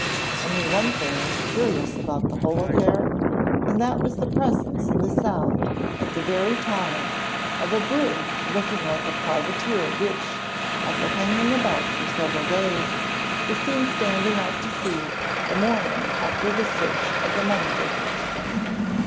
Only one thing was curious about the whole affair, and that was the presence in the Sound at that very time of a brig looking like a privateer which, after hanging about for several days, was seen standing out to sea the morning after the search of the money diggers.